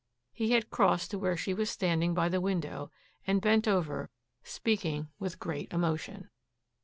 He had crossed to where she was standing by the window, and bent over, speaking with great emotion.